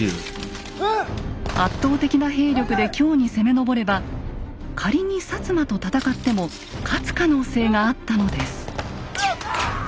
圧倒的な兵力で京に攻め上れば仮に摩と戦っても勝つ可能性があったのです。